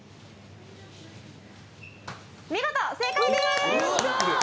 見事正解でーす！